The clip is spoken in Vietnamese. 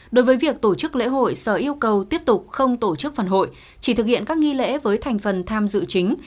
đối với việc tổ chức lễ hội sở yêu cầu tiếp tục không tổ chức phần hội chỉ thực hiện các nghi lễ với thành phần tham dự chính